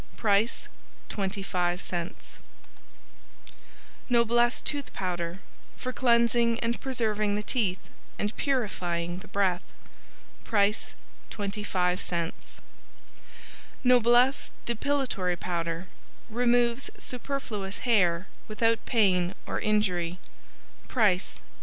Price 25c Noblesse Tooth Powder For cleansing and preserving the teeth, and purifying the breath. Price 25c Noblesse Depilatory Powder Removes superfluous hair without pain or injury. Price $1.